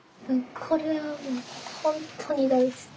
これは本当に大好き。